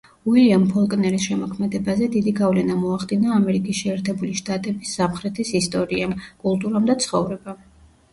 უილიამ ფოლკნერის შემოქმედებაზე დიდი გავლენა მოახდინა ამერიკის შეერთებული შტატების სამხრეთის ისტორიამ, კულტურამ და ცხოვრებამ.